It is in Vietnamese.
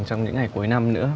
trong những ngày cuối năm nữa